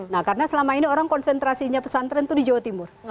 nah karena selama ini orang konsentrasinya pesantren itu di jawa timur